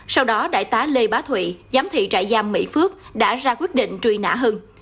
sau đó đại tá lê bá thụy giám thị trại giam mỹ phước đã ra quyết định truy nã hưng